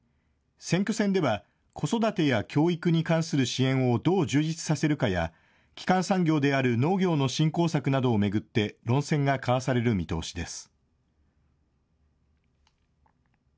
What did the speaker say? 選挙戦では子育てや教育に関する支援をどう充実させるかや基幹産業である農業の振興策などを巡って論戦が交わされる見通しです。